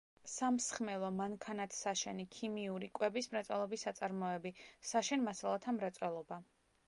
სამსხმელო, მანქანათსაშენი, ქიმიური, კვების მრეწველობის საწარმოები, საშენ მასალათა მრეწველობა.